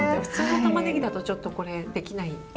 普通の玉ねぎだとちょっとこれできない。